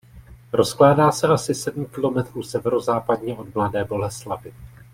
Rozkládá se asi sedm kilometrů severozápadně od Mladé Boleslavi.